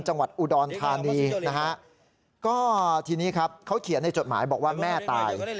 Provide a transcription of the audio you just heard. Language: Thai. จังหวัดอุดรธานีนะฮะก็ทีนี้ครับเขาเขียนในจดหมายบอกว่าแม่ตาย